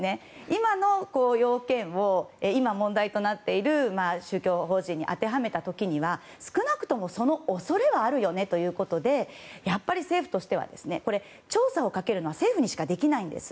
今の要件を今、問題となっている宗教法人に当てはめた時には少なくともその恐れはあるよねということでやっぱり政府としてはこれ、調査をかけるのは政府にしかできないんです。